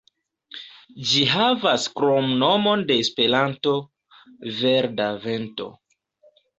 Ĝi havas kromnomon de Esperanto, "Verda Vento".